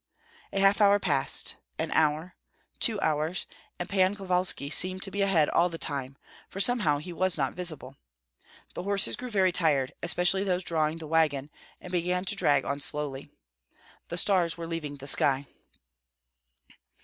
A half hour passed, an hour, two hours, and Pan Kovalski seemed to be ahead all the time, for somehow he was not visible. The horses grew very tired, especially those drawing the wagon, and began to drag on slowly. The stars were leaving the sky.